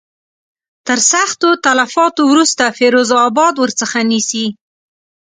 تر سختو تلفاتو وروسته فیروز آباد ورڅخه نیسي.